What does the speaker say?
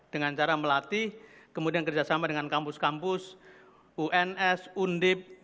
dengan cara melatih kemudian kerjasama dengan kampus kampus uns undip